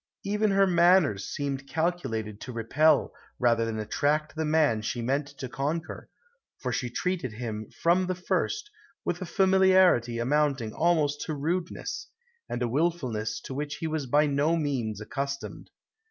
Even her manners seemed calculated to repel, rather than attract the man she meant to conquer; for she treated him, from the first, with a familiarity amounting almost to rudeness, and a wilfulness to which he was by no means accustomed.